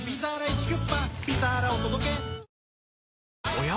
おや？